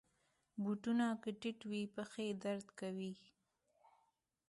بوټونه که ټیټ وي، پښې درد کوي.